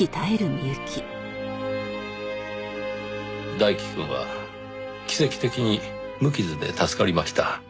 大樹くんは奇跡的に無傷で助かりました。